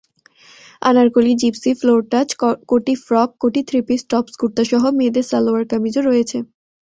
Anarkali, gypsy, floor touch, কটি frock, কটি three piece, tops, কুর্তাসহ মেয়েদের সালোয়ার-কামিজও রয়েছে।